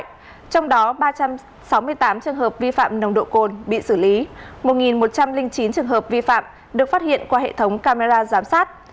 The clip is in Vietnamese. trong đó ba trăm sáu mươi tám trường hợp vi phạm nồng độ cồn bị xử lý một một trăm linh chín trường hợp vi phạm được phát hiện qua hệ thống camera giám sát